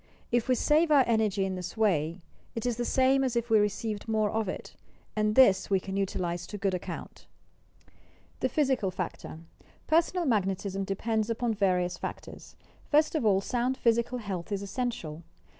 If we save our enei^y in this way, it is the same as if we received more of it, and this we can utilize to good account. THE PHYSICAL FACTOR Personal Magnetism depends upon various factors. First of all sound physical health is essential.